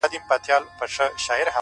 د خدای لاسونه ښکلوم ورته لاسونه نيسم’